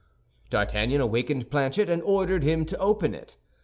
D'Artagnan awakened Planchet and ordered him to open it.